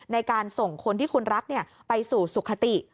ในการส่งคนที่คุณรักไปสู่สุขติ